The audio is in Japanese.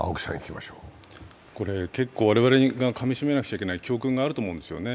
結構我々がかみしめなくちゃいけない教訓があると思うんですね。